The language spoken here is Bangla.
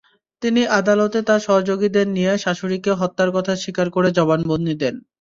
তিনি আদালতে তাঁর সহযোগীদের নিয়ে শাশুড়িকে হত্যার কথা স্বীকার করে জবানবন্দি দেন।